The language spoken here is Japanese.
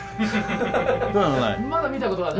まだ見た事はない。